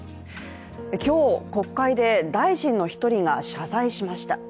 今日、国会で大臣の１人が謝罪しました。